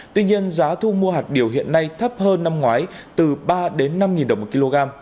tuy nhiên giá thu mua hạt điều hiện nay thấp hơn năm ngoái từ ba đến năm đồng một kg